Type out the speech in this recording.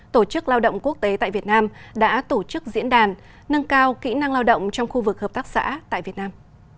tổ chức lao động quốc tế tại việt nam đã tổ chức diễn đàn nâng cao kỹ năng lao động trong khu vực hợp tác xã tại việt nam